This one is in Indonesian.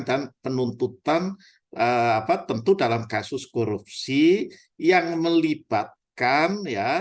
dan penuntutan tentu dalam kasus korupsi yang melibatkan